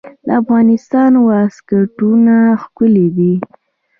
د افغانستان واسکټونه ښکلي دي